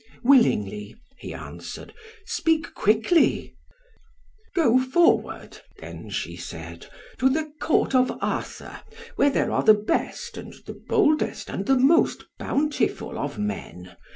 "Willingly," he answered, "speak quickly." "Go forward," then she said, "to the Court of Arthur, where there are the best, and the boldest, and the most bountiful of men.